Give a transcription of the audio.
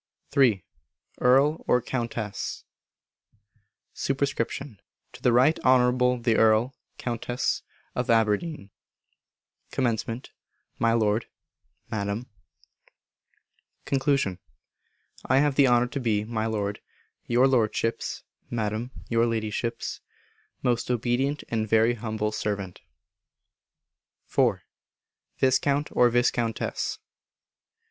iii. Earl or Countess. Sup. To the Right Honourable the Earl (Countess) of Aberdeen. Comm. My Lord (Madam). Con. I have the honour to be, My Lord, Your Lordship's (Madam, Your Ladyship's) most obedient and very, humble servant. iv. _Viscount or Viscountess.